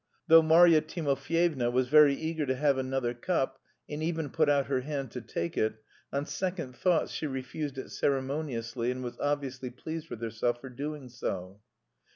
Though Marya Timofyevna was very eager to have another cup and even put out her hand to take it, on second thoughts she refused it ceremoniously, and was obviously pleased with herself for doing so.)